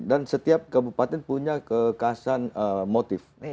dan setiap kabupaten punya kekasan motif